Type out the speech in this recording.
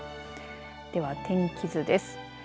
では天気図です。